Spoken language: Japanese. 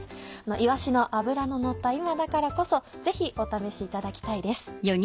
いわしの脂ののった今だからこそぜひお試しいただきたいです。